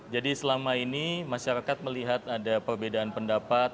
jadi selama ini masyarakat melihat ada perbedaan pendapat